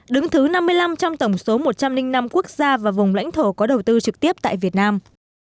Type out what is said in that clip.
đứng thứ năm mươi năm trong tổng số một trăm linh năm quốc gia và vùng lãnh thổ có đầu tư trực tiếp tại việt nam